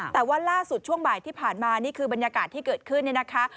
แต่ว่าล่าสุดช่วงบ่ายที่ผ่านมานี่คือบรรยากาศที่เกิดขึ้นเนี่ยนะคะ